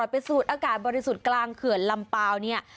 สูดอากาศบริสุทธิ์กลางเขื่อนลำเปล่าเนี่ย